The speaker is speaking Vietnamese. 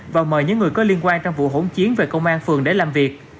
và mời những người có liên quan trong vụ hỗn chiến về công an phường để làm việc